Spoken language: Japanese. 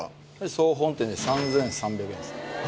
総本店で３３００円ですね。